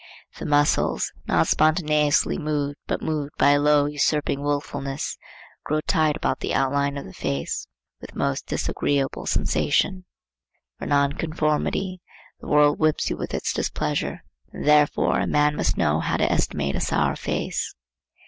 The muscles, not spontaneously moved but moved by a low usurping wilfulness, grow tight about the outline of the face with the most disagreeable sensation. For nonconformity the world whips you with its displeasure. And therefore a man must know how to estimate a sour face.